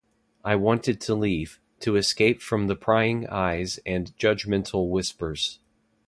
I wanted to leave, to escape from the prying eyes and judgmental whispers.